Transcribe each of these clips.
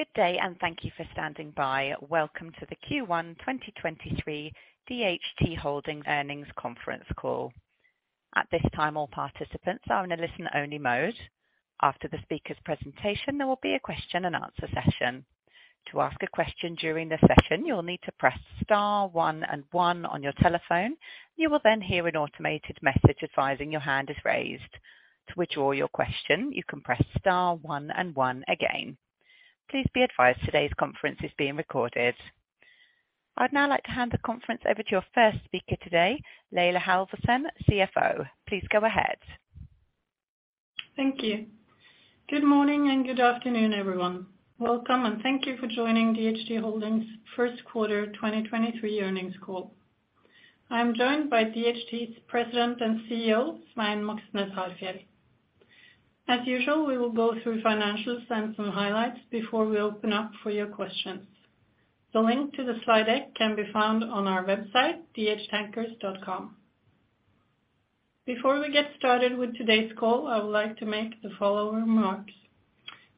Good day. Thank you for standing by. Welcome to the Q1 2023 DHT Holdings Earnings Conference Call. At this time, all participants are in a listen-only mode. After the speaker's presentation, there will be a question and answer session. To ask a question during the session, you will need to press star one and one on your telephone. You will hear an automated message advising your hand is raised. To withdraw your question, you can press star one and one again. Please be advised today's conference is being recorded. I'd now like to hand the conference over to your first speaker today, Laila Halvorsen, CFO. Please go ahead. Thank you. Good morning and good afternoon, everyone. Welcome and thank you for joining DHT Holdings 1st quarter 2023 earnings call. I am joined by DHT's President and CEO, Svein Moxnes Harfjeld. As usual, we will go through financials and some highlights before we open up for your questions. The link to the slide deck can be found on our website, dhtankers.com. Before we get started with today's call, I would like to make the following remarks.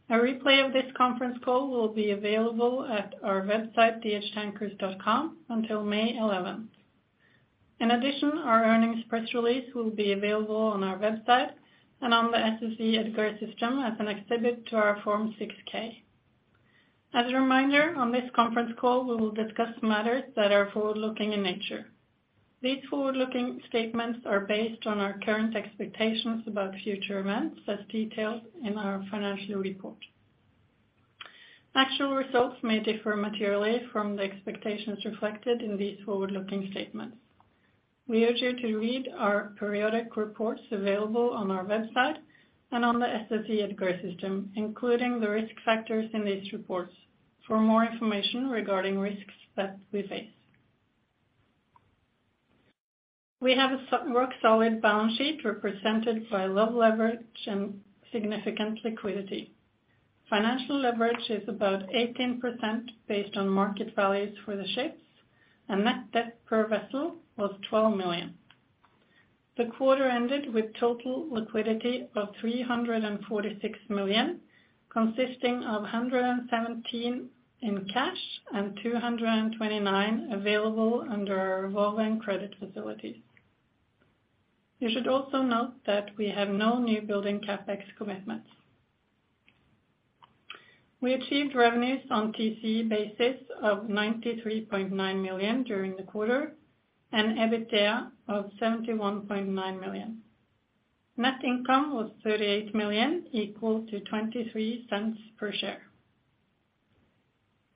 A replay of this conference call will be available at our website, dhtankers.com, until May 11th. In addition, our earnings press release will be available on our website and on the SEC EDGAR system as an exhibit to our Form 6-K. As a reminder, on this conference call, we will discuss matters that are forward-looking in nature. These forward-looking statements are based on our current expectations about future events as detailed in our financial report. Actual results may differ materially from the expectations reflected in these forward-looking statements. We urge you to read our periodic reports available on our website and on the SEC EDGAR system, including the risk factors in these reports for more information regarding risks that we face. We have a so-rock solid balance sheet represented by low leverage and significant liquidity. Financial leverage is about 18% based on market values for the ships, and net debt per vessel was $12 million. The quarter ended with total liquidity of $346 million, consisting of $117 million in cash and $229 million available under our revolving credit facilities. You should also note that we have no new building CapEx commitments. We achieved revenues on TCE basis of $93.9 million during the quarter and EBITDA of $71.9 million. Net income was $38 million, equal to $0.23 per share.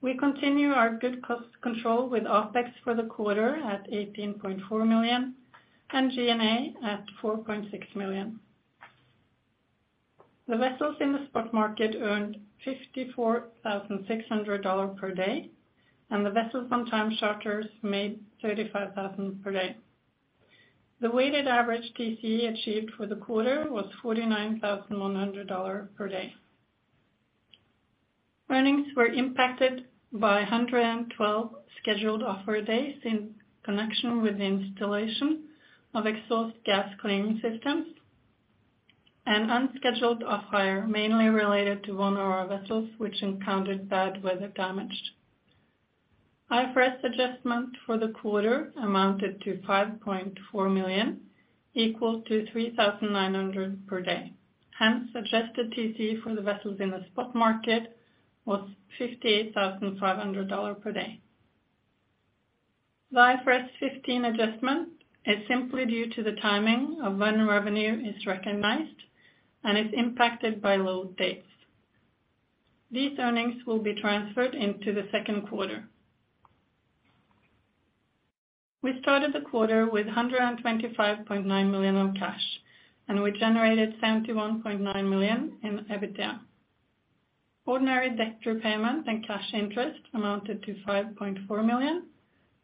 We continue our good cost control with OpEx for the quarter at $18.4 million and G&A at $4.6 million. The vessels in the spot market earned $54,600 per day, and the vessels on time charters made $35,000 per day. The weighted average TCE achieved for the quarter was $49,100 per day. Earnings were impacted by 112 scheduled offer days in connection with the installation of exhaust gas cleaning systems and unscheduled off-hire, mainly related to one of our vessels which encountered bad weather damage. IFRS adjustment for the quarter amounted to $5.4 million, equal to $3,900 per day. Hence, adjusted TCE for the vessels in the spot market was $58,500 per day. The IFRS 15 adjustment is simply due to the timing of when revenue is recognized and is impacted by load dates. These earnings will be transferred into the second quarter. We started the quarter with $125.9 million on cash, and we generated $71.9 million in EBITDA. Ordinary debt repayment and cash interest amounted to $5.4 million,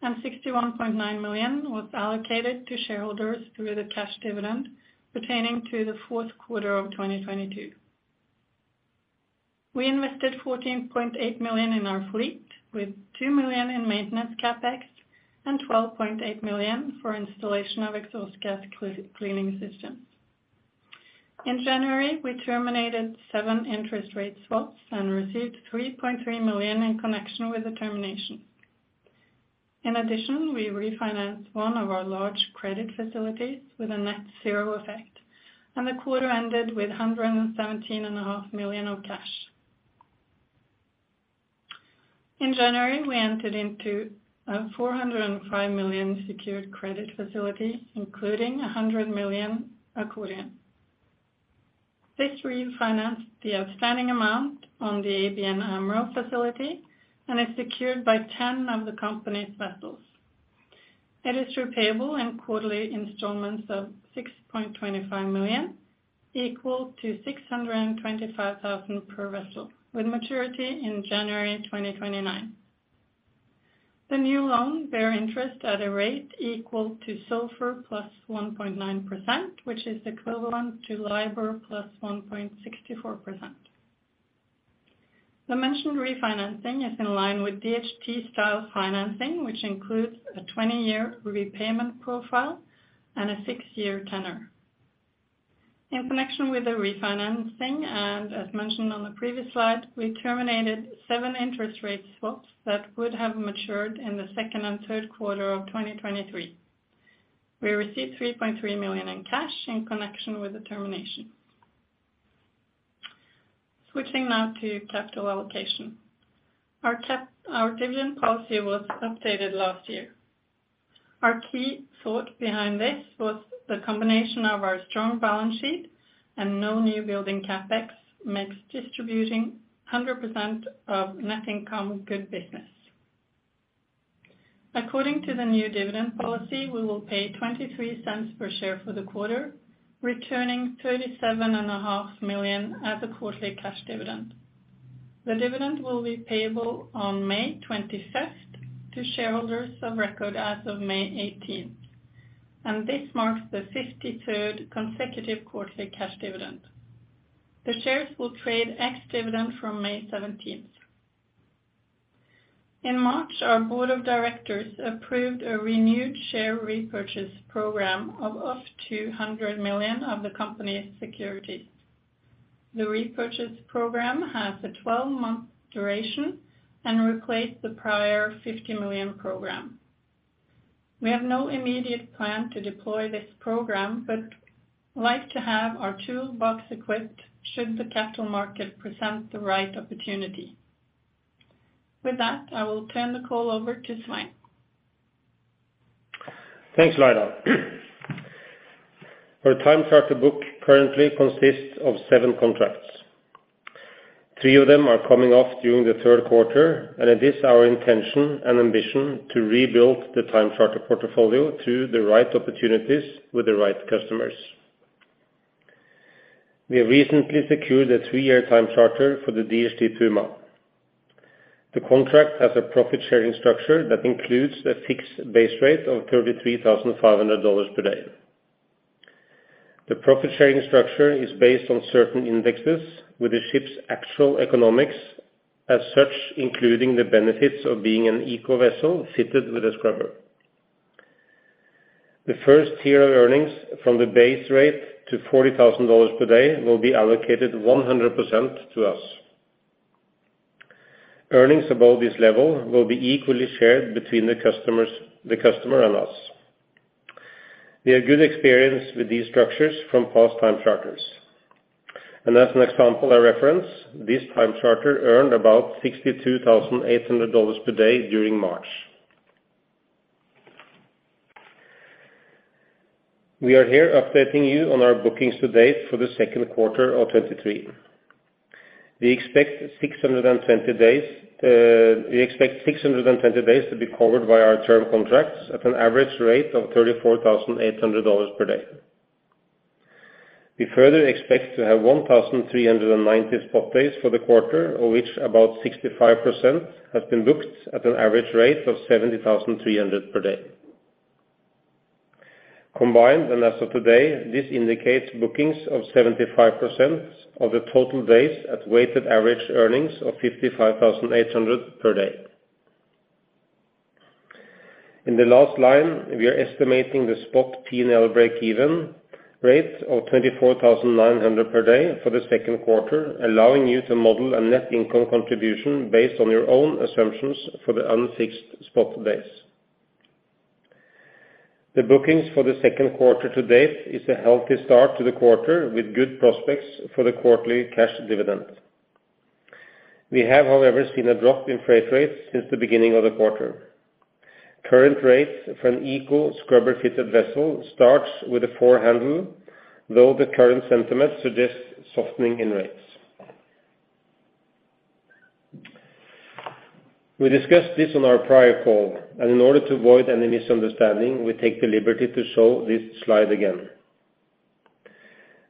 and $61.9 million was allocated to shareholders through the cash dividend pertaining to the fourth quarter of 2022. We invested $14.8 million in our fleet, with $2 million in maintenance CapEx and $12.8 million for installation of exhaust gas cleaning systems. In January, we terminated seven interest rate swaps and received $3.3 million in connection with the termination. In addition, we refinanced one of our large credit facilities with a net zero effect, and the quarter ended with a $117.5 million of cash. In January, we entered into a $405 million secured credit facility, including a $100 million accordion. This refinanced the outstanding amount on the ABN AMRO facility and is secured by 10 of the company's vessels. It is repayable in quarterly installments of $6.25 million, equal to $0.625 million per vessel, with maturity in January 2029. The new loan bear interest at a rate equal to SOFR+ 1.9%, which is equivalent to LIBOR+ 1.64%. The mentioned refinancing is in line with DHT style financing, which includes a 20-year repayment profile and a 6-year tenor. In connection with the refinancing and as mentioned on the previous slide, we terminated seven interest rate swaps that would have matured in the second and third quarter of 2023. We received $3.3 million in cash in connection with the termination. Switching now to capital allocation. Our dividend policy was updated last year. Our key thought behind this was the combination of our strong balance sheet and no new building CapEx makes distributing 100% of net income good business. According to the new dividend policy, we will pay $0.23 per share for the quarter, returning $37.5 million as a quarterly cash dividend. The dividend will be payable on May 25th to shareholders of record as of May 18th. This marks the 53rd consecutive quarterly cash dividend. The shares will trade ex-dividend from May 17th. In March, our board of directors approved a renewed share repurchase program of up to $100 million of the company's securities. The repurchase program has a 12-month duration and replaced the prior $50 million program. We have no immediate plan to deploy this program, like to have our toolbox equipped should the capital market present the right opportunity. With that, I will turn the call over to Svein. Thanks, Laila. Our time charter book currently consists of seven contracts. Three of them are coming off during the third quarter. It is our intention and ambition to rebuild the time charter portfolio to the right opportunities with the right customers. We have recently secured a three-year time charter for the DHT Puma. The contract has a profit-sharing structure that includes a fixed base rate of $33,500 per day. The profit-sharing structure is based on certain indexes with the ship's actual economics as such, including the benefits of being an eco vessel fitted with a scrubber. The first tier of earnings from the base rate to $40,000 per day will be allocated 100% to us. Earnings above this level will be equally shared between the customer and us. We have good experience with these structures from past time charters. As an example I reference, this time charter earned about $62,800 per day during March. We are here updating you on our bookings to date for the second quarter of 2023. We expect 620 days to be covered by our term contracts at an average rate of $34,800 per day. We further expect to have 1,390 spot days for the quarter, of which about 65% has been booked at an average rate of $70,300 per day. Combined, as of today, this indicates bookings of 75% of the total days at weighted average earnings of $55,800 per day. In the last line, we are estimating the spot P&L break-even rate of $24,900 per day for the second quarter, allowing you to model a net income contribution based on your own assumptions for the unfixed spot days. The bookings for the second quarter to date is a healthy start to the quarter with good prospects for the quarterly cash dividend. We have, however, seen a drop in freight rates since the beginning of the quarter. Current rates for an eco scrubber-fitted vessel starts with a 4 handle, though the current sentiment suggests softening in rates. We discussed this on our prior call, and in order to avoid any misunderstanding, we take the liberty to show this slide again.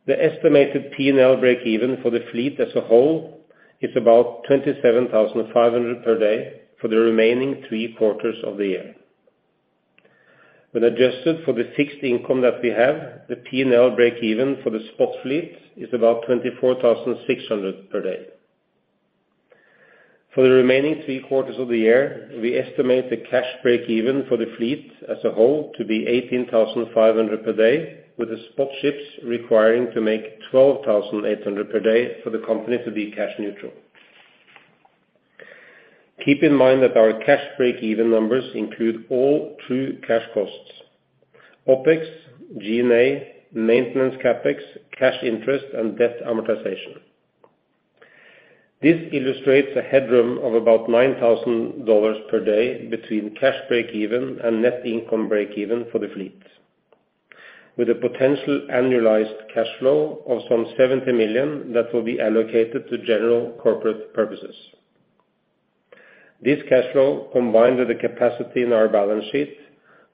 The estimated P&L break even for the fleet as a whole is about $27,500 per day for the remaining three quarters of the year. When adjusted for the fixed income that we have, the P&L break even for the spot fleet is about $24,600 per day. For the remaining three quarters of the year, we estimate the cash break even for the fleet as a whole to be $18,500 per day, with the spot ships requiring to make $12,800 per day for the company to be cash neutral. Keep in mind that our cash break even numbers include all true cash costs, OpEx, G&A, maintenance CapEx, cash interest and debt amortization. This illustrates a headroom of about $9,000 per day between cash break even and net income break even for the fleet, with a potential annualized cash flow of some $70 million that will be allocated to general corporate purposes. This cash flow, combined with the capacity in our balance sheet,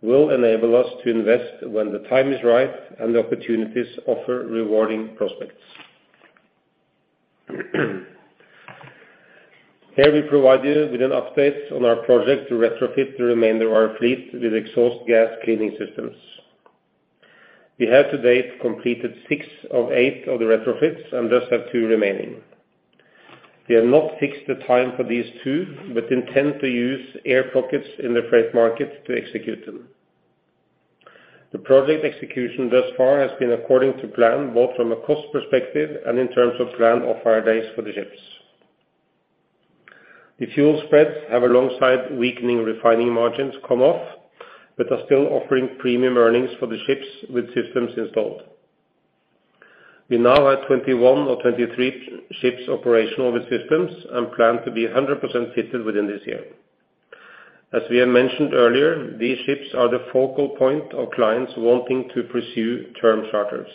will enable us to invest when the time is right and the opportunities offer rewarding prospects. Here we provide you with an update on our project to retrofit the remainder of our fleet with exhaust gas cleaning systems. We have to date completed 6 retrofits of 8 of the retrofits and just have 2 retrofits remaining. We have not fixed the time for these 2 retrofits, but intend to use air pockets in the freight market to execute them. The project execution thus far has been according to plan, both from a cost perspective and in terms of plan or fire days for the ships. The fuel spreads have alongside weakening refining margins come off, but are still offering premium earnings for the ships with systems installed. We now have 21 ships or 23 ships operational with systems and plan to be a 100% fitted within this year. As we have mentioned earlier, these ships are the focal point of clients wanting to pursue term charters.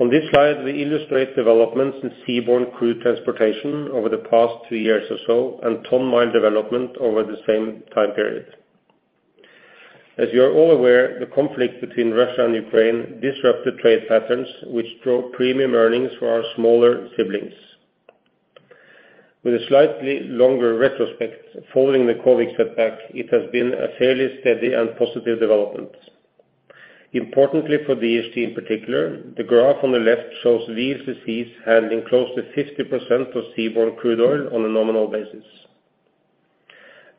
On this slide, we illustrate developments in seaborne crude transportation over the past 2 years or so and ton-mile development over the same time period. As you are all aware, the conflict between Russia and Ukraine disrupt the trade patterns which drove premium earnings for our smaller siblings. With a slightly longer retrospect following the COVID setback, it has been a fairly steady and positive development. Importantly for DHT in particular, the graph on the left shows VLCCs handling close to 50% of seaborne crude oil on a nominal basis.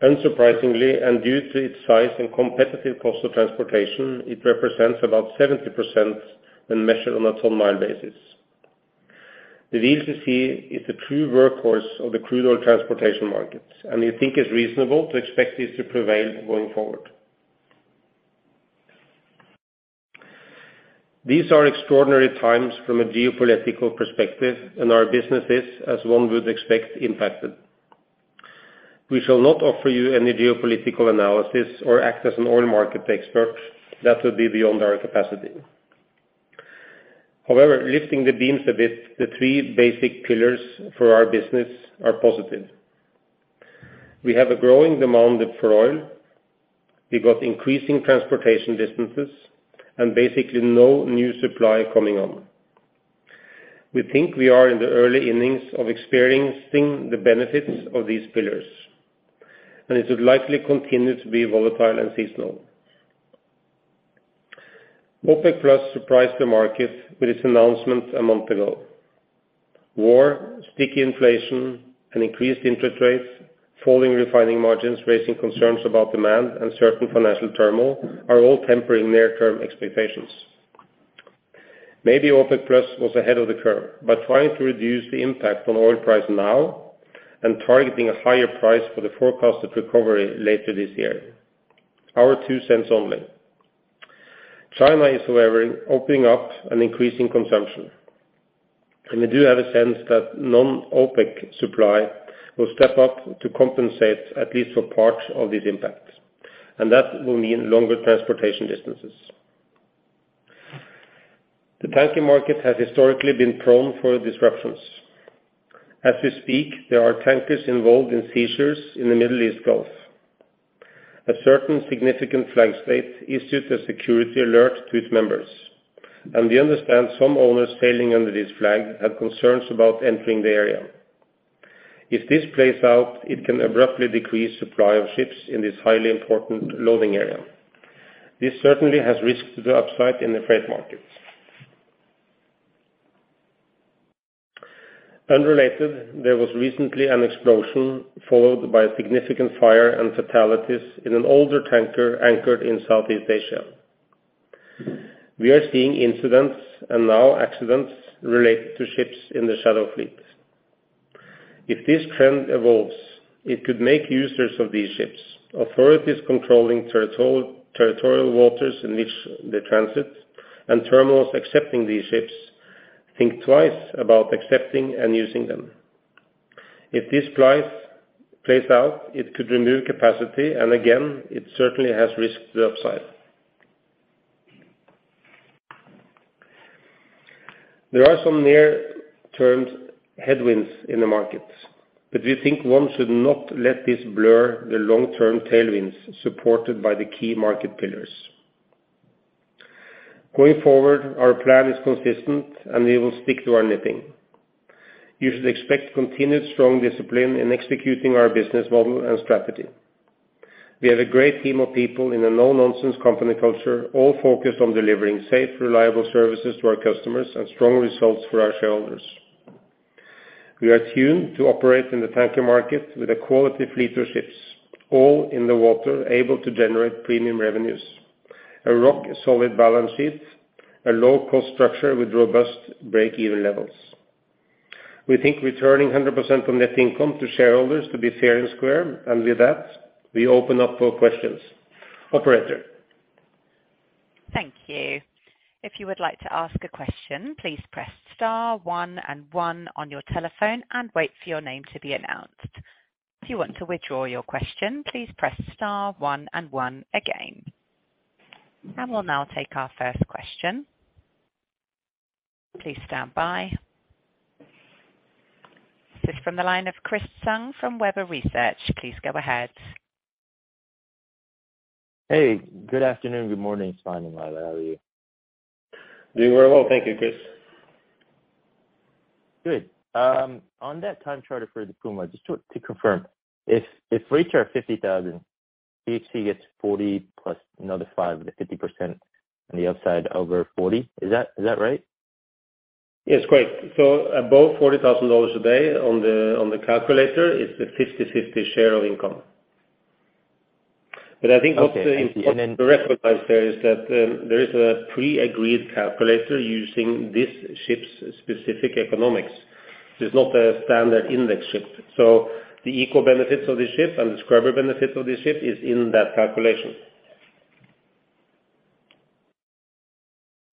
Unsurprisingly, due to its size and competitive cost of transportation, it represents about 70% when measured on a ton-mile basis. The VLCC is the true workhorse of the crude oil transportation market, and we think it's reasonable to expect this to prevail going forward. These are extraordinary times from a geopolitical perspective, and our business is, as one would expect, impacted. We shall not offer you any geopolitical analysis or act as an oil market expert. That would be beyond our capacity. However, lifting the beams a bit, the three basic pillars for our business are positive. We have a growing demand for oil. We got increasing transportation distances and basically no new supply coming on. We think we are in the early innings of experiencing the benefits of these pillars, and it would likely continue to be volatile and seasonal. OPEC+ surprised the market with its announcement a month ago. War, sticky inflation and increased interest rates, falling refining margins, raising concerns about demand, and certain financial turmoil are all tempering near term expectations. Maybe OPEC+ was ahead of the curve by trying to reduce the impact on oil price now and targeting a higher price for the forecasted recovery later this year. Our two cents only. China is however opening up and increasing consumption, and we do have a sense that non-OPEC supply will step up to compensate at least for parts of this impact, and that will mean longer transportation distances. The tanker market has historically been prone for disruptions. As we speak, there are tankers involved in seizures in the Middle East Gulf. A certain significant flag state issued a security alert to its members. We understand some owners sailing under this flag have concerns about entering the area. If this plays out, it can abruptly decrease supply of ships in this highly important loading area. This certainly has risks to the upside in the freight markets. Unrelated, there was recently an explosion followed by a significant fire and fatalities in an older tanker anchored in Southeast Asia. We are seeing incidents and now accidents related to ships in the shadow fleet. If this trend evolves, it could make users of these ships, authorities controlling territorial waters in which they transit, and terminals accepting these ships think twice about accepting and using them. If this plays out, it could remove capacity, and again, it certainly has risk to the upside. There are some near-term headwinds in the market, but we think one should not let this blur the long-term tailwinds supported by the key market pillars. Going forward, our plan is consistent and we will stick to our nipping. You should expect continued strong discipline in executing our business model and strategy. We have a great team of people in a no-nonsense company culture, all focused on delivering safe, reliable services to our customers and strong results for our shareholders. We are tuned to operate in the tanker market with a quality fleet of ships, all in the water able to generate premium revenues. A rock-solid balance sheet, a low-cost structure with robust break-even levels. We think returning 100% on net income to shareholders to be fair and square. With that, we open up for questions. Operator? Thank you. If you would like to ask a question, please press star one and one on your telephone and wait for your name to be announced. If you want to withdraw your question, please press star one and one again. We'll now take our first question. Please stand by. This is from the line of Chris Tsung from Webber Research. Please go ahead. Hey, good afternoon. Good morning. It's fine, Svein. How are you? Doing very well. Thank you, Chris. Good. On that time charter for the Puma, just to confirm, if rates are $50,000, DHT gets $40,000 plus another $5,000, the 50% on the upside over $40,000. Is that right? Yes. Great. Above $40,000 a day on the, on the calculator is the 50/50 share of income. I think what's important to recognize there is that there is a pre-agreed calculator using this ship's specific economics. This is not a standard index ship. The eco benefits of the ship and the scrubber benefits of the ship is in that calculation.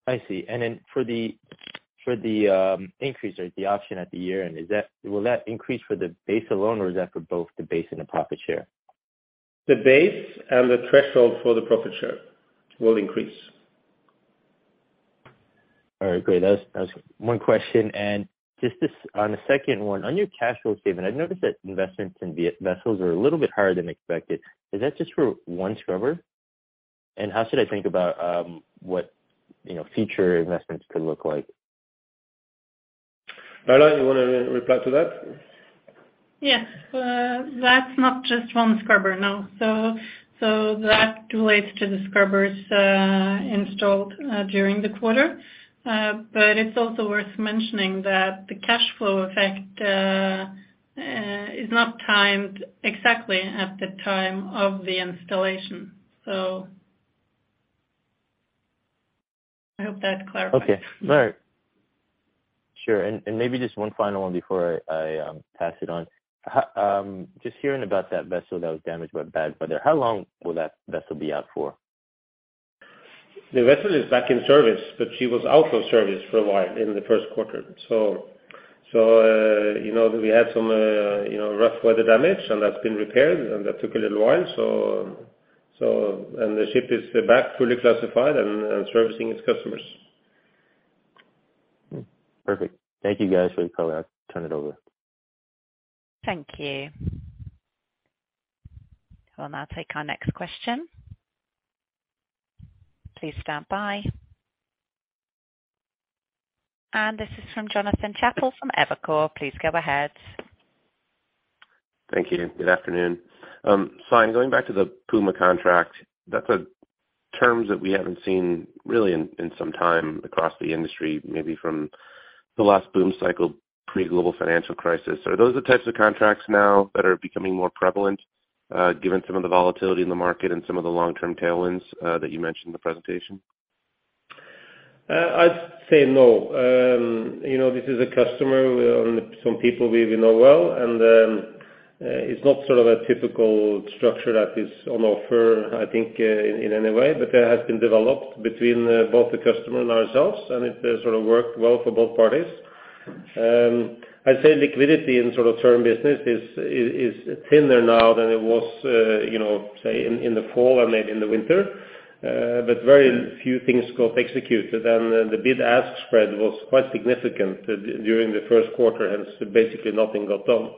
I see. For the increase or the option at the year-end, will that increase for the base alone or is that for both the base and the profit share? The base and the threshold for the profit share will increase. All right, great. That was one question. Just on the second one, on your cash flow statement, I've noticed that investments in vessels are a little bit higher than expected. Is that just for one scrubber? How should I think about, what, you know, future investments could look like? Laila, you wanna re-reply to that? Yes. That's not just one scrubber, no. That relates to the scrubbers installed during the quarter. It's also worth mentioning that the cash flow effect is not timed exactly at the time of the installation. I hope that clarifies. Okay. All right. Sure. Maybe just one final one before I pass it on. Just hearing about that vessel that was damaged by bad weather, how long will that vessel be out for? The vessel is back in service, she was out of service for a while in the first quarter. You know, we had some, you know, rough weather damage and that's been repaired and that took a little while so. The ship is back fully classified and servicing its customers. Perfect. Thank you guys for your color. I'll turn it over. Thank you. We'll now take our next question. Please stand by. This is from Jonathan Chappell from Evercore. Please go ahead. Thank you and good afternoon. I'm going back to the Puma contract. That's a terms that we haven't seen really in some time across the industry, maybe from the last boom cycle pre global financial crisis. Are those the types of contracts now that are becoming more prevalent, given some of the volatility in the market and some of the long-term tailwinds, that you mentioned in the presentation? I'd say no. You know, this is a customer on some people we know well. It's not sort of a typical structure that is on offer, I think, in any way, but it has been developed between both the customer and ourselves, and it sort of worked well for both parties. I'd say liquidity in sort of term business is thinner now than it was, you know, say in the fall and maybe in the winter. Very few things got executed and the bid-ask spread was quite significant during the 1st quarter, hence basically nothing got done.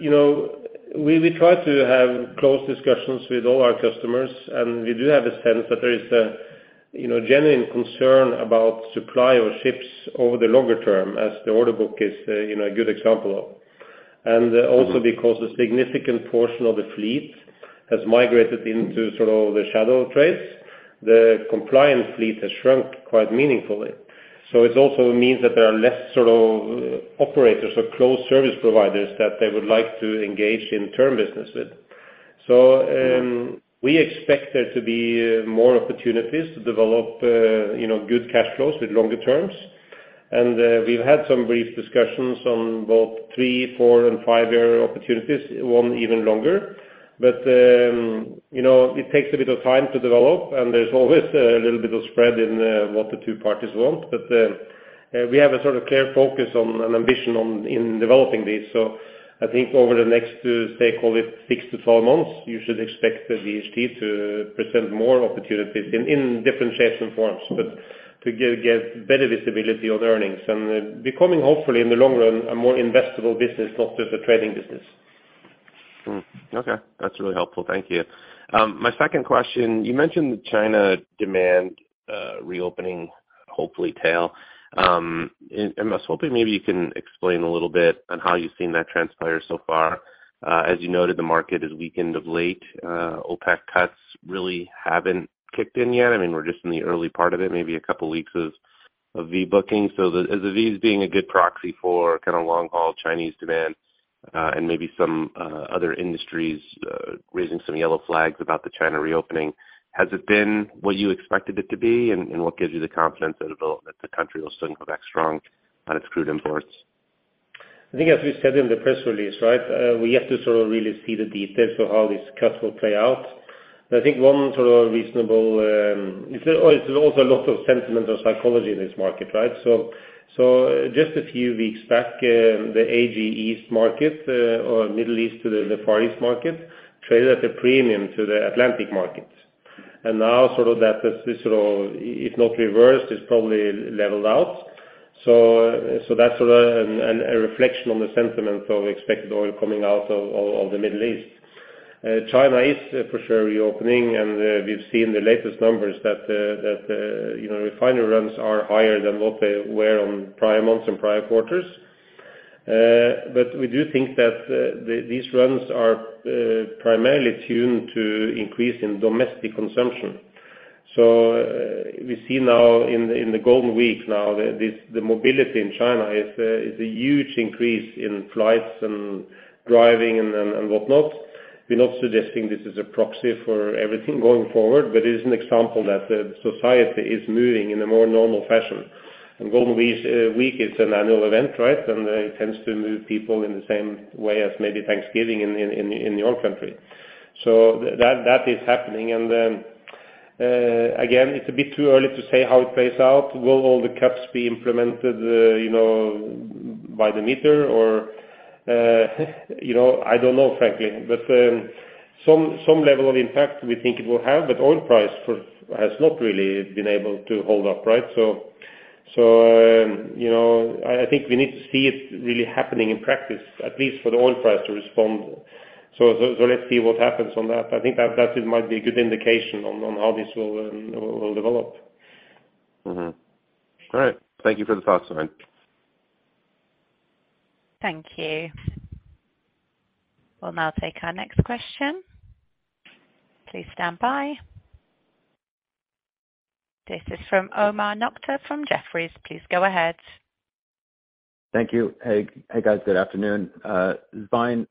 You know, we try to have close discussions with all our customers. We do have a sense that there is a, you know, genuine concern about supply or ships over the longer term as the order book is, you know, a good example of. Also because a significant portion of the fleet has migrated into sort of the shadow trades. The compliance fleet has shrunk quite meaningfully. It also means that there are less sort of operators or close service providers that they would like to engage in term business with. We expect there to be more opportunities to develop, you know, good cash flows with longer terms. We've had some brief discussions on both 3 year, 4 year and 5 year opportunities, one even longer. You know, it takes a bit of time to develop and there's always a little bit of spread in what the two parties want. We have a sort of clear focus on an ambition in developing these. I think over the next, say, call it 6 months-12 months, you should expect DHT to present more opportunities in different shapes and forms, but to give better visibility on earnings and becoming hopefully in the long run, a more investable business, not just a trading business. Okay. That's really helpful. Thank you. My second question, you mentioned China demand, reopening, hopefully tail. I was hoping maybe you can explain a little bit on how you've seen that transpire so far. As you noted, the market has weakened of late. OPEC cuts really haven't kicked in yet. I mean, we're just in the early part of it, maybe a couple weeks of V-booking. As the V is being a good proxy for kinda long haul Chinese demand, and maybe some other industries, raising some yellow flags about the China reopening, has it been what you expected it to be? What gives you the confidence that the country will soon go back strong on its crude imports? I think as we said in the press release, right, we have to sort of really see the details of how these cuts will play out. I think one sort of reasonable, or is also a lot of sentiment or psychology in this market, right? Just a few weeks back, the AG East market, or Middle East to the Far East market traded at a premium to the Atlantic markets. Now sort of that this sort of, if not reversed, is probably leveled out. That's sort of a reflection on the sentiment of expected oil coming out of the Middle East. China is for sure reopening, and we've seen the latest numbers that, you know, refinery runs are higher than what they were on prior months and prior quarters. We do think that these runs are primarily tuned to increase in domestic consumption. We see now in the Golden Week now, the mobility in China is a, is a huge increase in flights and driving and whatnot. We're not suggesting this is a proxy for everything going forward, but it is an example that the society is moving in a more normal fashion. Golden Week is an annual event, right? It tends to move people in the same way as maybe Thanksgiving in your country. That, that is happening. Then, again, it's a bit too early to say how it plays out. Will all the caps be implemented, you know, by the meter or, you know, I don't know frankly. Some level of impact we think it will have, but oil price has not really been able to hold up, right? You know, I think we need to see it really happening in practice, at least for the oil price to respond. Let's see what happens on that. I think that is might be a good indication on how this will develop. All right. Thank you for the thoughts, Svein. Thank you. We'll now take our next question. Please stand by. This is from Omar Nokta from Jefferies. Please go ahead. Thank you. Hey, hey guys. Good afternoon. Svein,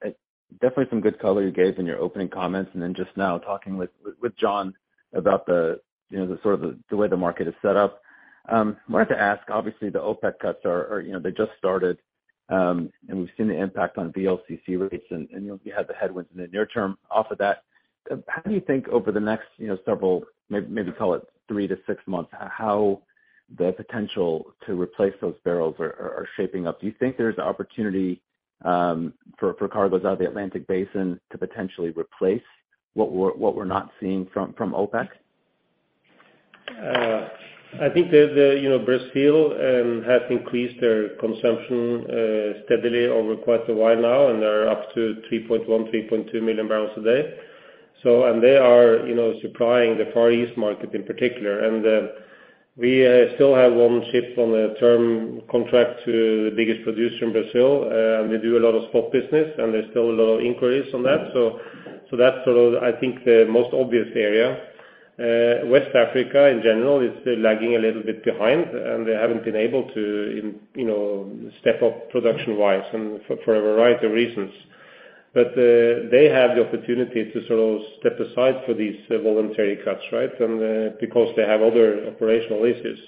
definitely some good color you gave in your opening comments and then just now talking with John about, you know, the sort of the way the market is set up. Wanted to ask, obviously the OPEC cuts are, you know, they just started, and we've seen the impact on VLCC rates and, you know, you had the headwinds in the near term off of that. How do you think over the next, you know, several maybe call it three to six months, how the potential to replace those barrels are shaping up? Do you think there's an opportunity for cargoes out of the Atlantic Basin to potentially replace what we're not seeing from OPEC? I think there's a, you know, Brazil has increased their consumption steadily over quite a while now, and they're up to 3.1 MMbpd, 3.2 MMbpd. They are, you know, supplying the Far East market in particular. We still have one ship on a term contract to the biggest producer in Brazil, and they do a lot of spot business, and there's still a lot of inquiries on that. That's sort of, I think, the most obvious area. West Africa in general is lagging a little bit behind, and they haven't been able to you know, step up production-wise and for a variety of reasons. They have the opportunity to sort of step aside for these voluntary cuts, right? Because they have other operational issues.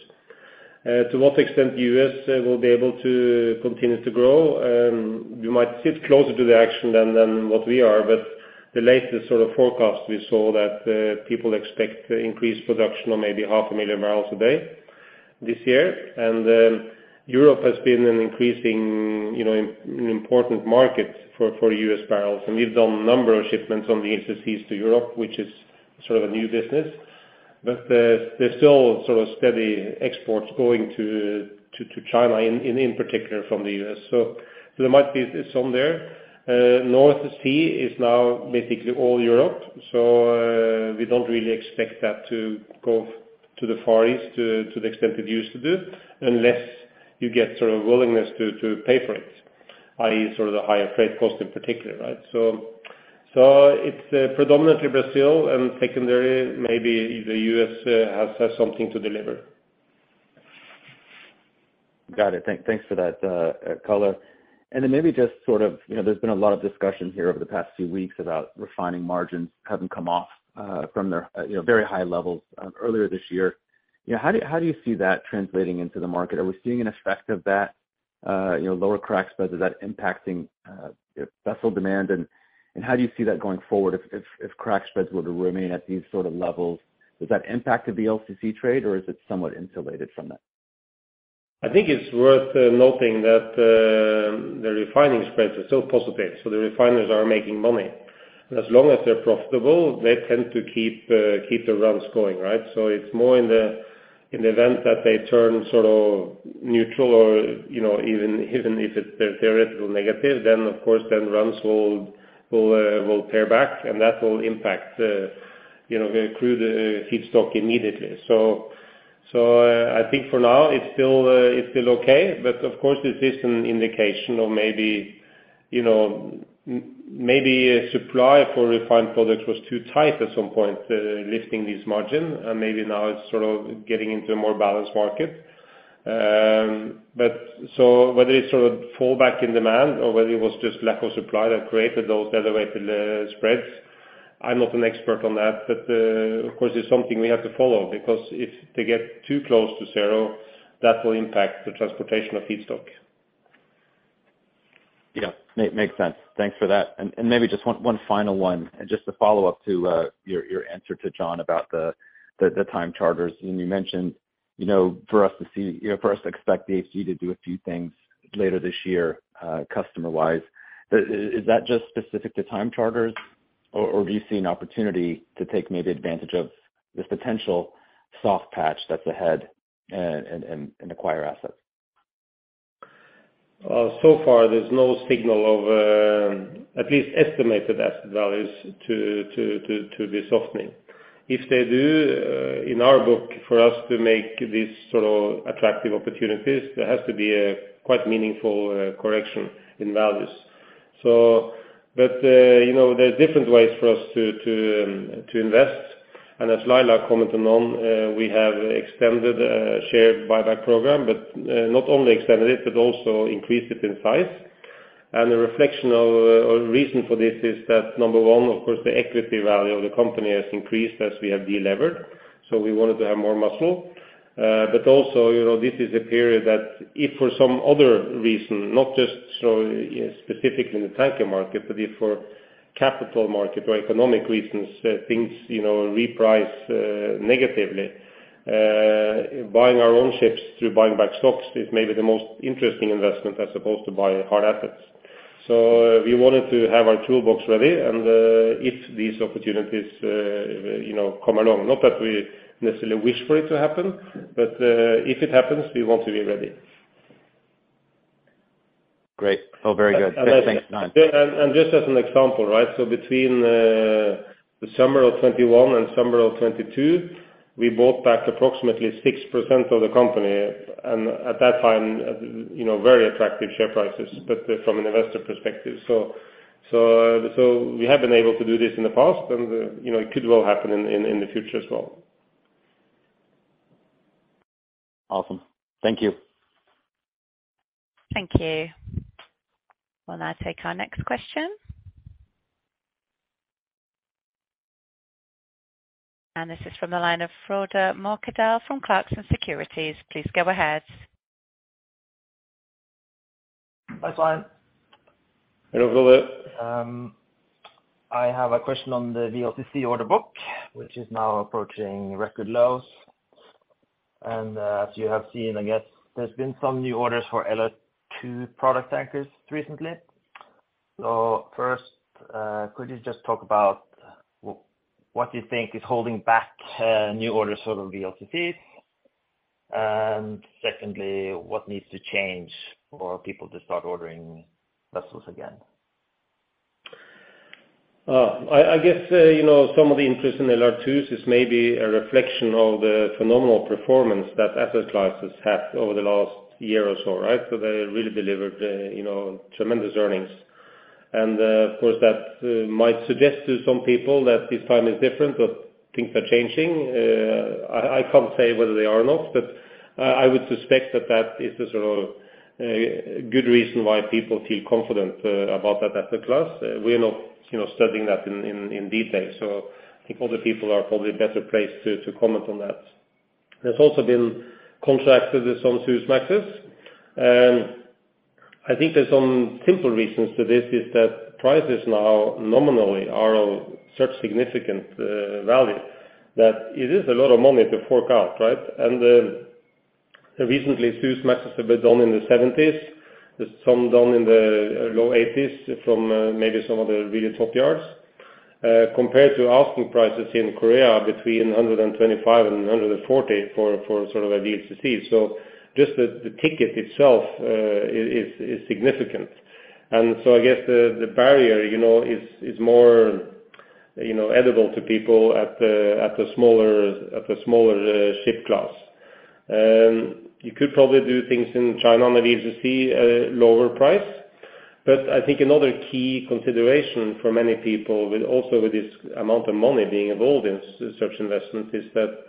To what extent U.S. will be able to continue to grow, you might sit closer to the action than what we are. The latest sort of forecast we saw that people expect increased production of maybe 0.5 MMbpd a day this year. Europe has been an increasing, you know, an important market for U.S. barrels, and we've done a number of shipments on the ACC to Europe, which is sort of a new business. There's still sort of steady exports going to China in particular from the U.S. There might be some there. North Sea is now basically all Europe, we don't really expect that to go to the Far East to the extent it used to do unless you get sort of willingness to pay for it, i.e., sort of the higher freight cost in particular, right? It's predominantly Brazil and, secondary, maybe the U.S. has something to deliver. Got it. Thanks for that color. Then maybe just sort of, you know, there's been a lot of discussion here over the past few weeks about refining margins having come off from their, you know, very high levels earlier this year. You know, how do you see that translating into the market? Are we seeing an effect of that? You know, lower crack spreads, is that impacting vessel demand? How do you see that going forward if crack spreads were to remain at these sort of levels? Does that impact the VLCC trade or is it somewhat insulated from that? I think it's worth noting that, the refining spreads are still positive, so the refiners are making money. As long as they're profitable, they tend to keep the runs going, right? It's more in the, in the event that they turn sort of neutral or, you know, even if it's theoretical negative, then of course, then runs will pare back and that will impact the, you know, the crude, feedstock immediately. I think for now it's still, it's still okay. Of course, this is an indication of maybe, you know, maybe supply for refined products was too tight at some point, lifting this margin and maybe now it's sort of getting into a more balanced market. Whether it's sort of fallback in demand or whether it was just lack of supply that created those elevated spreads, I'm not an expert on that. Of course, it's something we have to follow because if they get too close to zero, that will impact the transportation of feedstock. Yeah, makes sense. Thanks for that. Maybe just one final one, just a follow-up to your answer to John about the time charters. You mentioned, you know, for us to see, you know, for us to expect the DHT to do a few things later this year, customer-wise. Is that just specific to time charters or do you see an opportunity to take maybe advantage of this potential soft patch that's ahead and acquire assets? So far there's no signal of at least estimated asset values to be softening. If they do, in our book, for us to make this sort of attractive opportunities, there has to be a quite meaningful correction in values. You know, there's different ways for us to invest. As Laila commented on, we have extended a share buyback program, but not only extended it, but also increased it in size. The reason for this is that number one, of course, the equity value of the company has increased as we have delevered, so we wanted to have more muscle. Also, you know, this is a period that if for some other reason, not just so specifically in the tanker market, but if for capital market or economic reasons, things, you know, reprice negatively, buying our own ships through buying back stocks is maybe the most interesting investment as opposed to buying hard assets. We wanted to have our toolbox ready and if these opportunities, you know, come along, not that we necessarily wish for it to happen, but if it happens, we want to be ready. Great. Oh, very good. Thanks, Svein. Just as an example, right? Between the summer of 2021 and summer of 2022, we bought back approximately 6% of the company. At that time, you know, very attractive share prices, but from an investor perspective. We have been able to do this in the past and, you know, it could well happen in the future as well. Awesome. Thank you. Thank you. We'll now take our next question. This is from the line of Frode Morkedal from Clarksons Securities. Please go ahead. Hi, Svein. Hello, Frode. I have a question on the VLCC order book, which is now approaching record lows. As you have seen, I guess there's been some new orders for LR2 product tankers recently. First, could you just talk about what do you think is holding back, new order sort of VLCCs? Secondly, what needs to change for people to start ordering vessels again? I guess, you know, some of the interest in LR2 is maybe a reflection of the phenomenal performance that asset classes had over the last year or so, right? They really delivered, you know, tremendous earnings. Of course, that might suggest to some people that this time is different, but things are changing. I can't say whether they are or not, but I would suspect that that is the sort of good reason why people feel confident about that asset class. We are not, you know, studying that in, in detail, so I think other people are probably better placed to comment on that. There's also been contracted some Suezmaxes. I think there's some simple reasons to this, is that prices now nominally are of such significant value that it is a lot of money to fork out, right? Recently, Suezmaxes have been done in the $70 million, there's some done in the low $80 million from maybe some of the really top yards. Compared to asking prices in Korea between $125 million and $140 million for sort of a VLCC. Just the ticket itself is significant. I guess the barrier, you know, is more, you know, edible to people at a smaller, at a smaller ship class. You could probably do things in China on the VLCC at a lower price. I think another key consideration for many people with also with this amount of money being involved in such investment is that,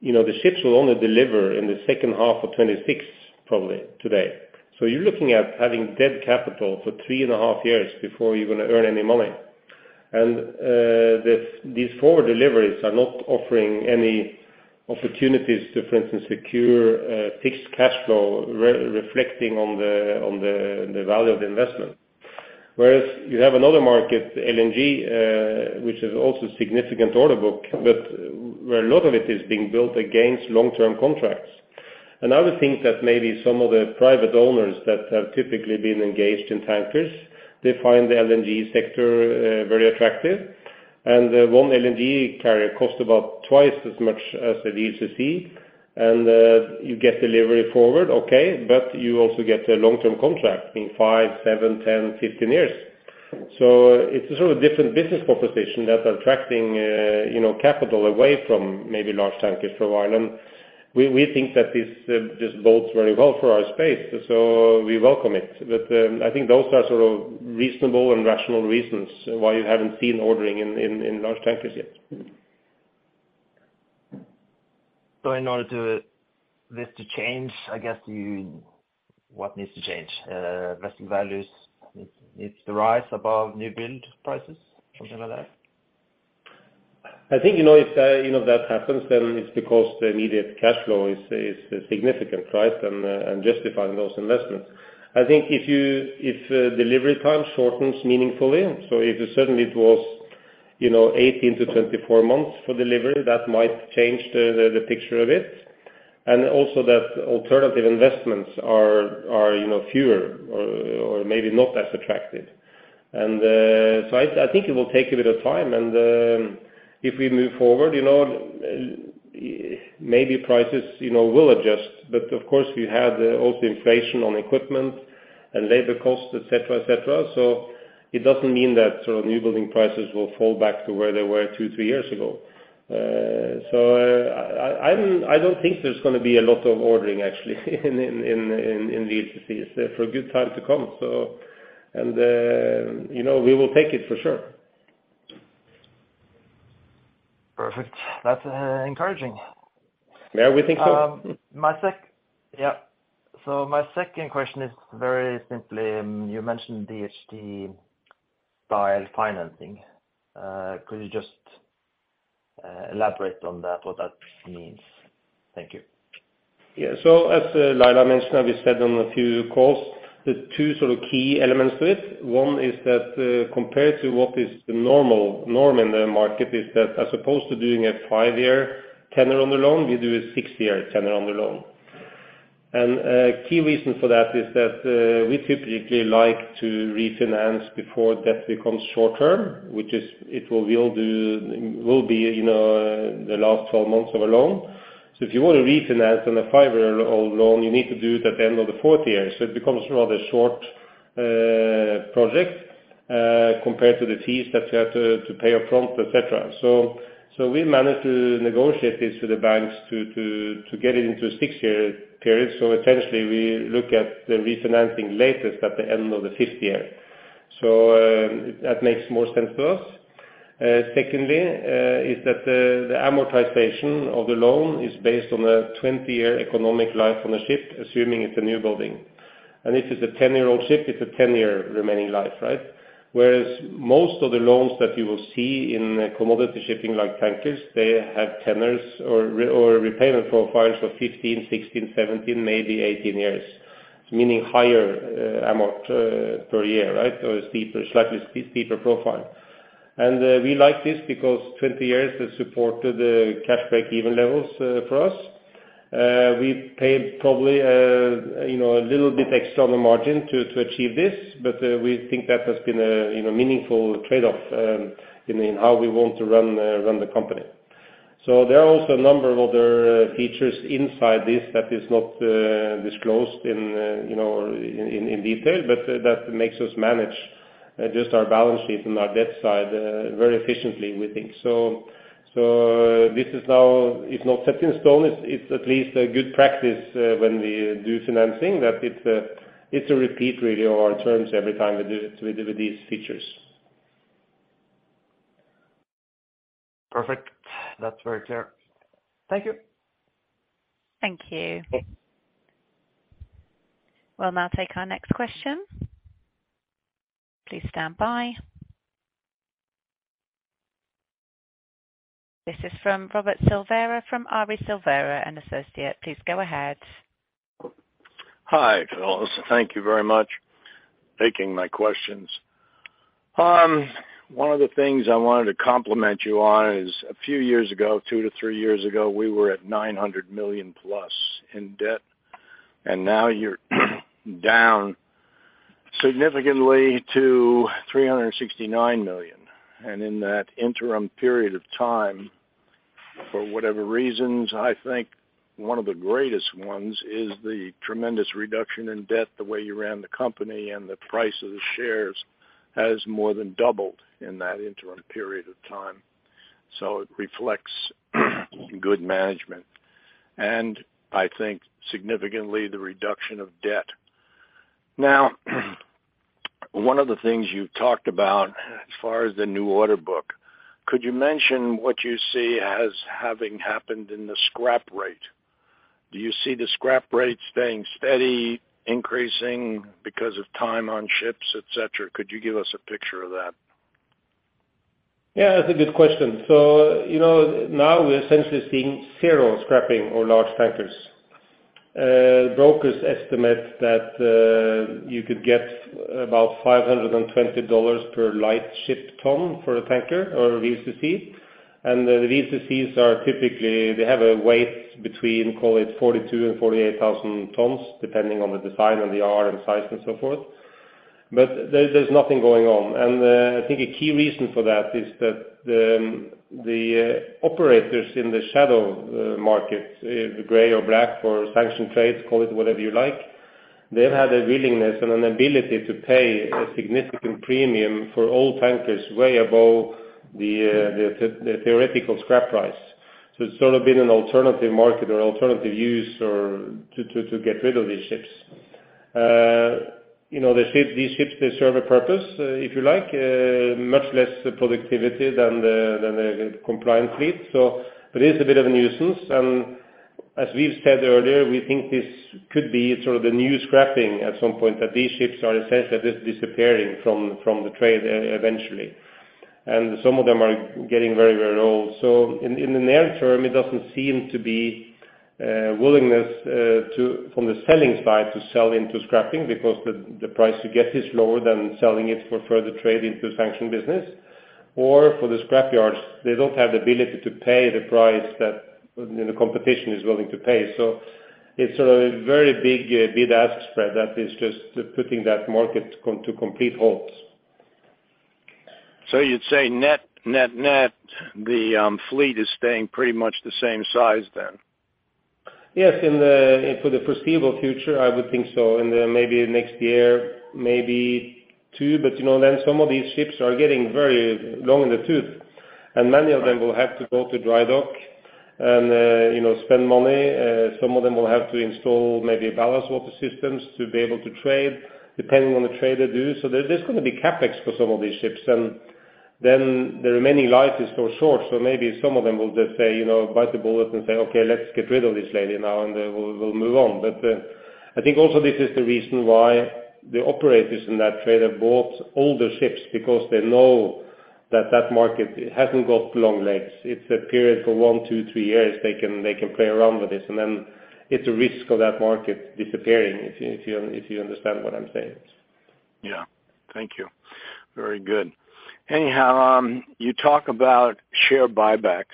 you know, the ships will only deliver in the second half of 2026, probably today. You're looking at having dead capital for three and a half years before you're gonna earn any money. These forward deliveries are not offering any opportunities to, for instance, secure fixed cash flow reflecting on the value of the investment. Whereas you have another market, LNG, which is also significant order book, but where a lot of it is being built against long-term contracts. I would think that maybe some of the private owners that have typically been engaged in tankers, they find the LNG sector very attractive. One LNG carrier costs about twice as much as a VLCC. You get delivery forward, okay, but you also get a long-term contract in 5 years, 7 years, 10 years, 15 years. It's a sort of different business proposition that's attracting, you know, capital away from maybe large tankers for a while. We think that this just bodes very well for our space, so we welcome it. I think those are sort of reasonable and rational reasons why you haven't seen ordering in large tankers yet. in order to this to change, I guess what needs to change? vessel values needs to rise above new build prices, something like that? I think, you know, if, you know, that happens, then it's because the immediate cash flow is significant, right? Justifying those investments. I think if delivery time shortens meaningfully, so if certainly it was, you know, 18 months-24 months for delivery, that might change the picture a bit. Also that alternative investments are, you know, fewer or maybe not as attractive. I think it will take a bit of time and if we move forward, you know. Maybe prices, you know, will adjust. Of course, we have also inflation on equipment and labor costs, et cetera, et cetera. It doesn't mean that sort of new building prices will fall back to where they were two, three years ago. I don't think there's gonna be a lot of ordering actually in these fees for a good time to come. You know, we will take it for sure. Perfect. That's encouraging. Yeah, we think so. My second question is very simply, you mentioned DHT style financing. Could you just elaborate on that, what that means? Thank you. Yeah. As Laila mentioned, and we said on a few calls, there's two sort of key elements to it. One is that, compared to what is norm in the market, is that as opposed to doing a five-year tender on the loan, we do a six-year tender on the loan. Key reason for that is that we typically like to refinance before debt becomes short term, which will be, you know, the last 12 months of a loan. If you want to refinance on a five-year-old loan, you need to do it at the end of the fourth year. It becomes rather short project compared to the fees that you have to pay up front, et cetera. We managed to negotiate this with the banks to get it into a six-year period. Essentially we look at the refinancing latest at the end of the fifth year. That makes more sense to us. Secondly, is that the amortization of the loan is based on a 20-year economic life on a ship, assuming it's a new building. If it's a 10-year-old ship, it's a 10-year remaining life, right? Whereas most of the loans that you will see in commodity shipping like tankers, they have tenures or repayment profiles for 15 years, 16 years, 17 years, maybe 18 years, meaning higher amount per year, right? Or steeper, slightly steeper profile. We like this because 20 years has supported the cash break-even levels for us. We paid probably, you know, a little bit extra on the margin to achieve this, but we think that has been a, you know, meaningful trade-off in how we want to run the company. There are also a number of other features inside this that is not disclosed in, you know, in detail, but that makes us manage just our balance sheet and our debt side very efficiently, we think. This is how it's not set in stone. It's at least a good practice when we do financing, that it's a repeat really of our terms every time we do it, we do with these features. Perfect. That's very clear. Thank you. Thank you. We'll now take our next question. Please stand by. This is from Robert Silvera from Silvera & Associates. Please go ahead. Hi, fellows. Thank you very much taking my questions. One of the things I wanted to compliment you on is a few years ago, two to three years ago, we were at $900 million+ in debt, now you're down significantly to $369 million. In that interim period of time, for whatever reasons, I think one of the greatest ones is the tremendous reduction in debt, the way you ran the company and the price of the shares has more than doubled in that interim period of time. It reflects good management and I think significantly the reduction of debt. One of the things you talked about as far as the new order book, could you mention what you see as having happened in the scrap rate? Do you see the scrap rate staying steady, increasing because of time on ships, et cetera? Could you give us a picture of that? Yeah, that's a good question. You know, now we're essentially seeing zero scrapping on large tankers. Brokers estimate that you could get about $520 per lightship ton for a tanker or VLCC. The VLCC are typically, they have a weight between, call it 42,000 tons and 48,000 tons, depending on the design and the yard and size and so forth. There's nothing going on. I think a key reason for that is that the operators in the shadow markets, the gray or black for sanctioned trades, call it whatever you like, they've had a willingness and an ability to pay a significant premium for all tankers way above the theoretical scrap price. It's sort of been an alternative market or alternative use or to get rid of these ships. You know, the ships, these ships, they serve a purpose, if you like, much less productivity than the compliant fleet. It is a bit of a nuisance. As we've said earlier, we think this could be sort of the new scrapping at some point, that these ships are essentially just disappearing from the trade eventually. Some of them are getting very, very old. In the near term, it doesn't seem to be willingness to, from the selling side to sell into scrapping because the price you get is lower than selling it for further trade into sanction business. For the scrap yards, they don't have the ability to pay the price that, you know, the competition is willing to pay. It's sort of a very big bid-ask spread that is just putting that market to complete halt. You'd say net, net, the fleet is staying pretty much the same size then? Yes. For the foreseeable future, I would think so, in the maybe next year, maybe 2 years. You know, then some of these ships are getting very long in the tooth, and many of them will have to go to dry dock and, you know, spend money. Some of them will have to install maybe ballast water systems to be able to trade depending on the trade they do. There, there's gonna be CapEx for some of these ships. Then their remaining life is so short, so maybe some of them will just say, you know, bite the bullet and say, "Okay, let's get rid of this lady now," and they will move on. I think also this is the reason why the operators in that trade have bought older ships because they know that that market hasn't got long legs. It's a period for 1 years, 2 years, 3 years they can play around with this, and then it's a risk of that market disappearing if you understand what I'm saying. Yeah. Thank you. Very good. Anyhow, you talk about share buybacks.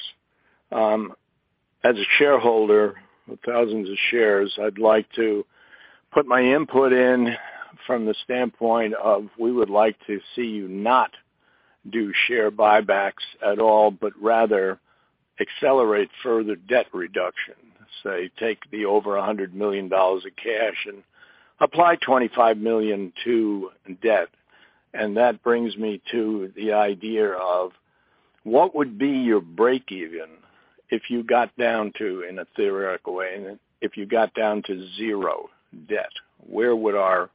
As a shareholder with thousands of shares, I'd like to put my input in from the standpoint of we would like to see you not do share buybacks at all, but rather accelerate further debt reduction. Say, take the over $100 million of cash and apply $25 million to debt. That brings me to the idea of what would be your breakeven if you got down to, in a theoretical way, if you got down to zero debt, where would our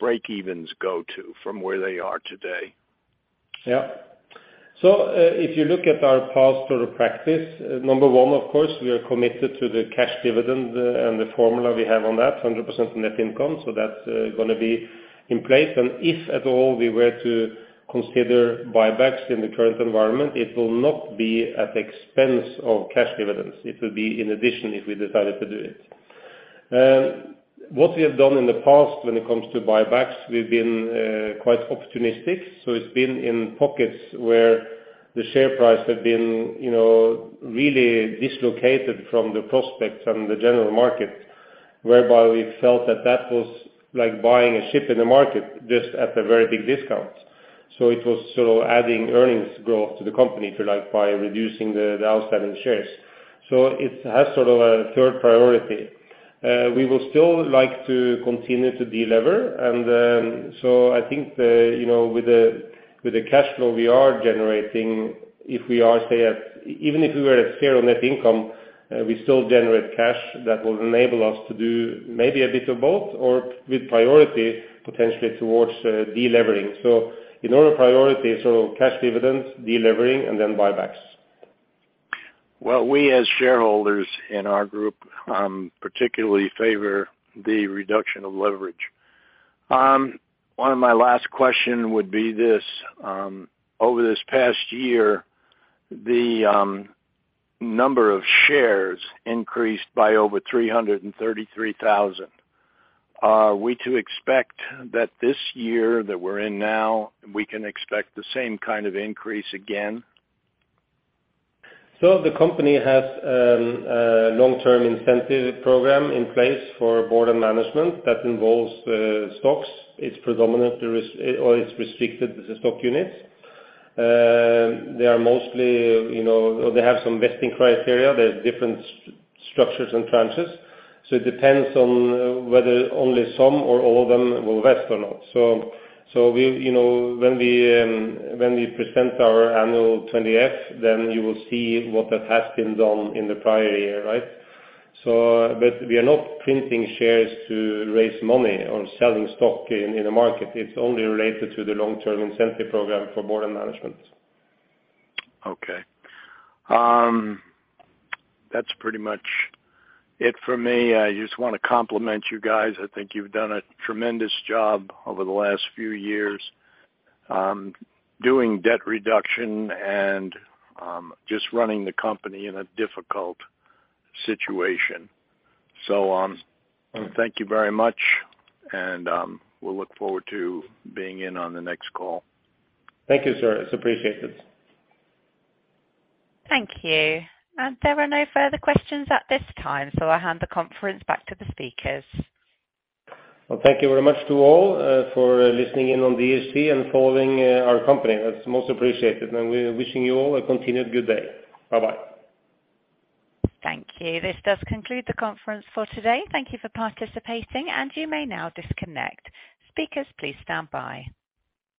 breakevens go to from where they are today? If you look at our past sort of practice, number one, of course, we are committed to the cash dividend, and the formula we have on that, 100% net income, so that's gonna be in place. If at all we were to consider buybacks in the current environment, it will not be at the expense of cash dividends. It will be in addition if we decided to do it. What we have done in the past when it comes to buybacks, we've been quite opportunistic. It's been in pockets where the share price had been, you know, really dislocated from the prospects and the general market, whereby we felt that that was like buying a ship in the market just at a very big discount. It was sort of adding earnings growth to the company, if you like, by reducing the outstanding shares. It has sort of a third priority. We will still like to continue to delever. I think, you know, with the cash flow we are generating, even if we were at zero net income, we still generate cash that will enable us to do maybe a bit of both or with priority potentially towards delevering. In order of priority, cash dividends, delevering, and then buybacks. Well, we as shareholders in our group, particularly favor the reduction of leverage. One of my last question would be this. Over this past year, the number of shares increased by over 333,000. Are we to expect that this year that we're in now, we can expect the same kind of increase again? The company has a long-term incentive program in place for board and management that involves stocks. It's predominantly or it's restricted stock units. They are mostly, you know. They have some vesting criteria. There's different structures and tranches. We, you know, when we present our annual 20-F, then you will see what that has been done in the prior year, right? But we are not printing shares to raise money or selling stock in the market. It's only related to the long-term incentive program for board and management. Okay. That's pretty much it for me. I just wanna compliment you guys. I think you've done a tremendous job over the last few years, doing debt reduction and, just running the company in a difficult situation. Thank you very much and, we'll look forward to being in on the next call. Thank you, sir. It's appreciated. Thank you. There are no further questions at this time. I'll hand the conference back to the speakers. Well, thank you very much to all, for listening in on DHT and following, our company. That's most appreciated, and we're wishing you all a continued good day. Bye-bye. Thank you. This does conclude the conference for today. Thank you for participating, and you may now disconnect. Speakers, please stand by.